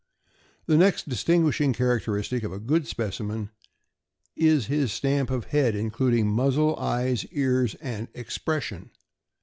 The next distinguishing characteristic of a good speci men is his stamp of head, including muzzle, eyes, ears, and "expression."